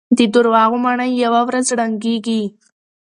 د دروغو ماڼۍ يوه ورځ ړنګېږي.